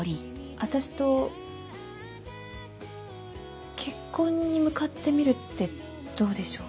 私と結婚に向かってみるってどうでしょう？